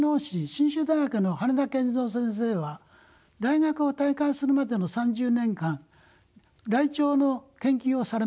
信州大学の羽田健三先生は大学を退官するまでの３０年間ライチョウの研究をされました。